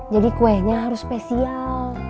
jadi kuehnya harus spesial